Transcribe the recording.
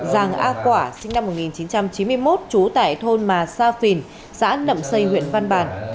giàng a quả sinh năm một nghìn chín trăm chín mươi một trú tại thôn mà sa phìn xã nậm xây huyện văn bàn